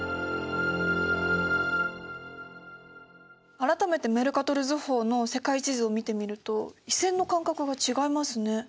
改めてメルカトル図法の世界地図を見てみると緯線の間隔が違いますね。